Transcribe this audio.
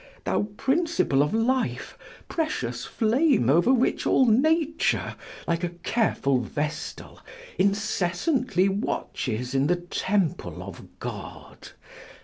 thou principle of life! precious flame over which all nature, like a careful vestal, incessantly watches in the temple of God!